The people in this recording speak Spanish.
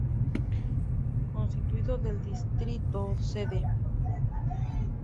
Constituido del distrito sede.